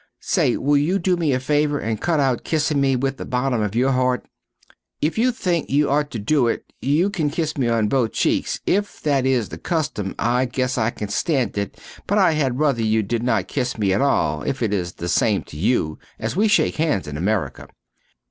Say will you do me a faver and cut out kissin me with the bottom of your heart? If you think you ot to do it you can kiss me on both cheeks if that is the custim I guess I can stand it but I had ruther you did not kiss me at all if it is the same to you as we shake hands in America.